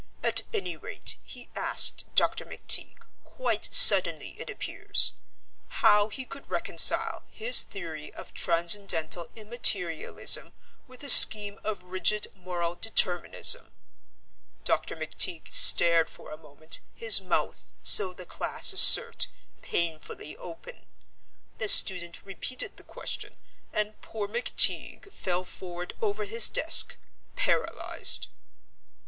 At any rate, he asked Dr. McTeague, quite suddenly it appears; how he could reconcile his theory of transcendental immaterialism with a scheme of rigid moral determinism. Dr. McTeague stared for a moment, his mouth, so the class assert, painfully open. The student repeated the question, and poor McTeague fell forward over his desk, paralysed."